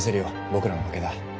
僕らの負けだ。